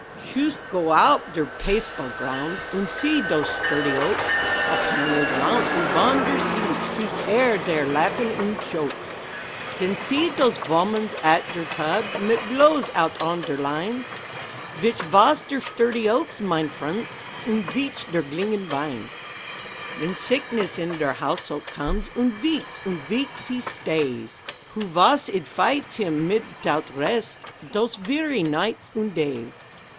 Shust go oup to der paseball groundts Und see dhose "shturdy oaks" All planted roundt ubon der seats Shust hear dheir laughs und shokes! Dhen see dhose vomens at der tubs, Mit glothes oudt on der lines; Vhich vas der shturdy oaks, mine friendts, Und vhich der glinging vines? Vhen sickness in der householdt comes, Und veeks und veeks he shtays, Who vas id fighdts him mitoudt resdt, Dhose veary nighdts und days?